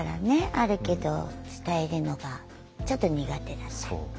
あるけど伝えるのがちょっと苦手だったんですね。